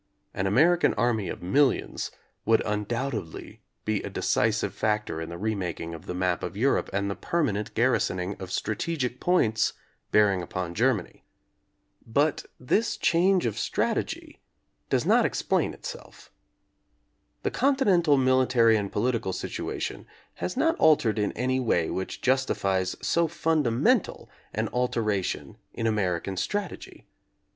An American army of millions would undoubtedly be a decisive factor in the remaking of the map of Europe and the permanent gar risoning of strategic points bearing upon Ger many. But this change of strategy does not ex plain itself. The continental military and polit ical situation has not altered in any way which jus tifies so fundamental an alteration in American strategy.